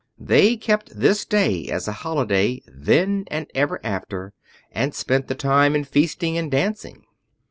They kept this day as a holiday, then and ever after, and spent the time in feasting and dancing.